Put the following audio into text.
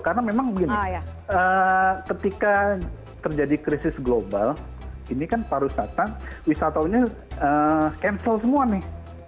karena memang begini ketika terjadi krisis global ini kan pariwisata wisatawannya cancel semua nih